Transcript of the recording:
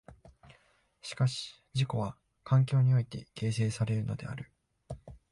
しかし自己は環境において形成されるのである。